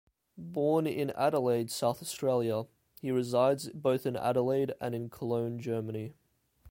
Born in Adelaide, South Australia, he resides both in Adelaide and in Cologne, Germany.